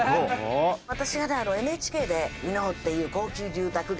「私がねＮＨＫで“箕面っていう高級住宅街！